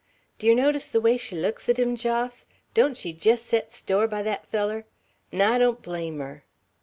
D' yer notice the way she looks at him, Jos? Don't she jest set a store by thet feller? 'N' I don't blame her."